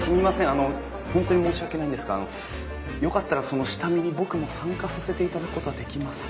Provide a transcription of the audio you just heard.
あの本当に申し訳ないんですがよかったらその下見に僕も参加させていただくことはできますか？